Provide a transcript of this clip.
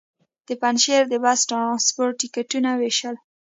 د پنجشېر د بس ټرانسپورټ ټکټونه وېشل.